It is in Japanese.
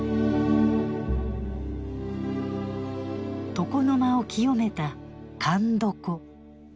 床の間を清めた「神床」。